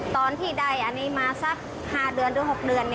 ตอนที่ได้อันนี้มาสัก๕๖เดือน